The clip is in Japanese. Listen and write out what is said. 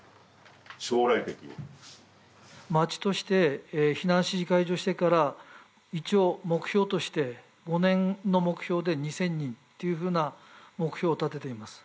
将来的に町として避難指示解除してから一応目標として５年の目標で２０００人っていうふうな目標を立てています